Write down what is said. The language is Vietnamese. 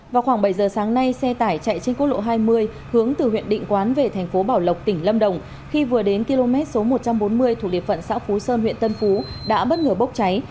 vào khoảng bảy giờ sáng nay xe tải chạy trên quốc lộ hai mươi hướng từ huyện định quán về thành phố bảo lộc tỉnh lâm đồng khi vừa đến km số một trăm bốn mươi thuộc địa phận xã phú sơn huyện tân phú đã bất ngờ bốc cháy